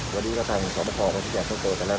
โดยการสอบบราคาสูตรกันแล้ว